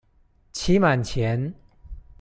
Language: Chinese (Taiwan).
期滿前